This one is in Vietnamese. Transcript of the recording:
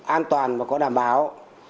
an toàn và có đảm bảo